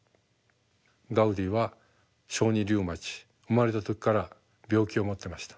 ガウディは小児リウマチ生まれた時から病気を持ってました。